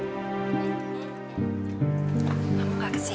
kamu gak kesiangan berangkat jam begini